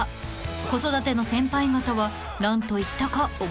［子育ての先輩方は何と言ったか覚えていますか？］